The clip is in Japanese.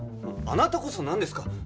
あなたこそなんですか？